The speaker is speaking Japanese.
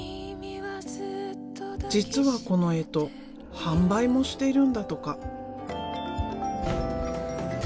実はこの干支販売もしているんだとか。